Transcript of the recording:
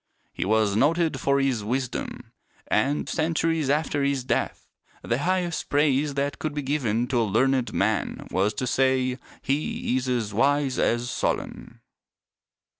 He was noted for his wisdom ; and, centuries after his death, the highest praise that could be given to a learned man was to say, '' He is as wise as Solon."